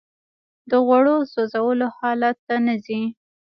د غوړو سوځولو حالت ته نه ځي